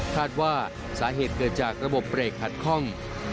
คาดว่าสาเหตุเกิดจากระบบเบรกขัดคล่อง